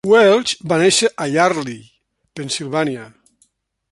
Welch va néixer a Yardley, Pennsilvània.